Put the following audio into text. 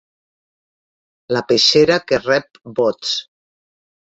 La peixera que rep vots.